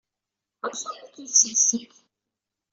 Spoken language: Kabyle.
Amek armi i k-yekcem ccek?